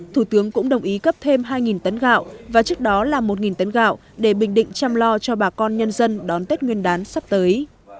thủ tướng cũng đồng ý cấp thêm hai tấn gạo và trước đó là một tấn gạo để bình định chăm lo cho bà con nhân dân đón tết nguyên đán sắp tới